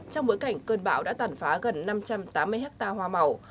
trong bối cảnh cơn bão đã tàn phá gần năm trăm tám mươi hectare hoa màu